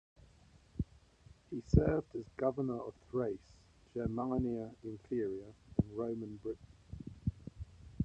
He served as governor of Thrace, Germania Inferior, and Roman Britain.